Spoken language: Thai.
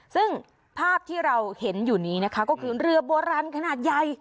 ซึ่งภาพที่เราเห็นอยู่นี้นะคะก็คือเรือโบราณขนาดใหญ่